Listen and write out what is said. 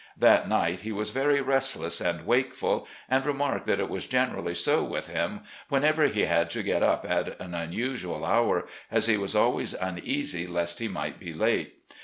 That night he was very restless and wakeful, and remarked that it was generally so with him whenever he had to get up at an imusual hour, as he was always uneasy lest he might be late.